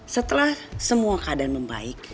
setelah semua keadaan membaik